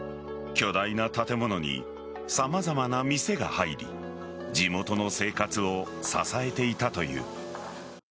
巨大な建物に様々な店が入り地元の生活を支えていたという。